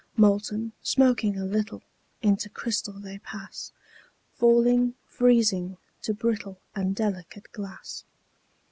Molten, smoking a little, Into crystal they pass; Falling, freezing, to brittle And delicate glass.